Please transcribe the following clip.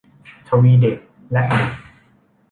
ทวีเดชและบุตร